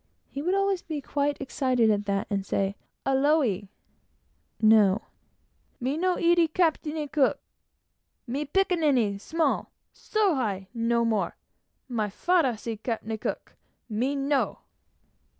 He would always be quite excited at that; and say "Aole!" (no.) "Me no eat Captain Cook! Me pikinini small so high no more! My father see Captain Cook! Me no!"